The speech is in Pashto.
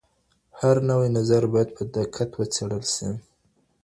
هر نوی نظر باید په دقت وڅېړل سي.